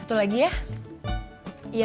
pertama kali aku lihat dia sudah berubah